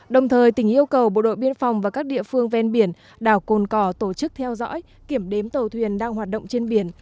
đồng thời tỉnh yêu cầu bộ đội biên phòng và các địa phương ven biển đảo cồn cỏ tổ chức theo dõi kiểm đếm tàu thuyền đang hoạt động trên biển